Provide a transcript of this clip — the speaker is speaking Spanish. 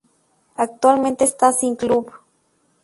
Actualmente está sin club.